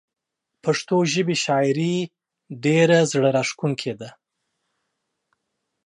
پښتو ژبې شاعري ډيره زړه راښکونکي ده